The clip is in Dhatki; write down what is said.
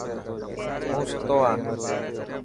هون ستوهان.